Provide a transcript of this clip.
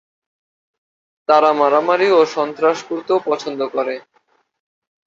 তারা মারামারি ও সন্ত্রাস করতেও পছন্দ করে।